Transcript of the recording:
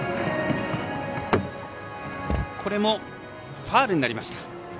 これもファウルになりました。